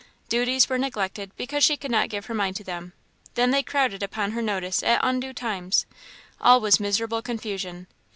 Duties were neglected, because she could not give her mind to them; then they crowded upon her notice at undue times; all was miserable confusion.